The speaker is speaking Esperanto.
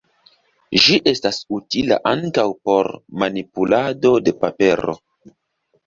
Ĝi estas utila ankaŭ por manipulado de papero.